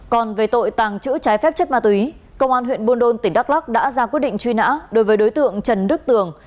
còn về tội tàng trữ trái phép chất ma túy công an huyện buôn đôn tỉnh đắk lắc đã ra quyết định truy nã đối với đối tượng trần đức tường